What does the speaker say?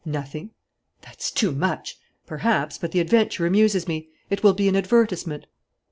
"Nothing." "That's too much!" "Perhaps, but the adventure amuses me. It will be an advertisement."